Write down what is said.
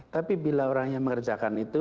tapi bila orang yang mengerjakan itu